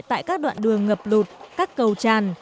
tại các đoạn đường ngập lụt các cầu tràn